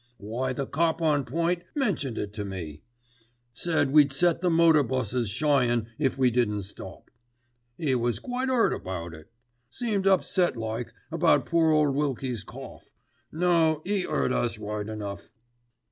Why the cop on point mentioned it to me. Said we'd set the motor busses shyin' if we didn't stop. 'E was quite 'urt about it. Seemed upset like about poor ole Wilkie's cough. No: 'e 'eard us right enough."